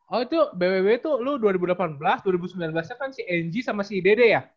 oh itu bwb itu lo dua ribu delapan belas dua ribu sembilan belas nya kan si ng sama si idd ya